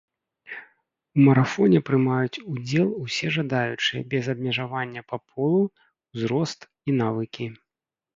У марафоне прымаюць удзел усе жадаючыя без абмежавання па полу, ўзрост і навыкі.